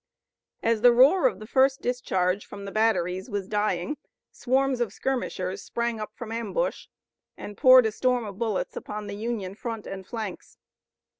As the roar of the first discharge from the batteries was dying swarms of skirmishers sprang up from ambush and poured a storm of bullets upon the Union front and flanks.